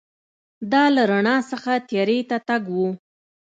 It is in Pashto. دا له رڼا څخه تیارې ته تګ و.